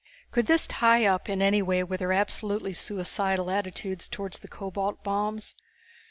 Could this tie up in any way with their absolutely suicidal attitude towards the cobalt bombs?"